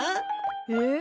えっ？